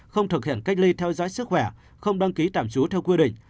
không thực hiện cách ly theo dõi sức khỏe không đăng ký tạm trú theo quy định